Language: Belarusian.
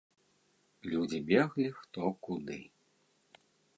Людзі беглі хто куды.